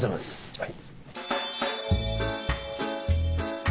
はい。